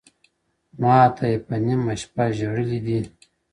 ماته يې په نيمه شپه ژړلي دي.